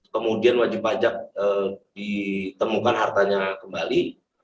kemudian wajib pajak ditemukan hartanya kembali